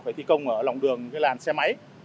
phải thi công ở lòng đường làn xe máy